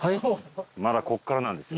まだここからなんですよ。